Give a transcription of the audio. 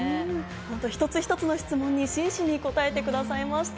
一つ一つの質問に真摯に答えてくださいました。